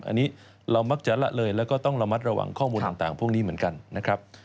อันนี้เรามักจะละเลยแล้วก็ต้องระมัดระวังข้อมูลต่างพวกนี้เหมือนกันนะครับ